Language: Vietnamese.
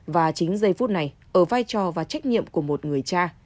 và chính giây phút này ở vai trò và trách nhiệm của một người cha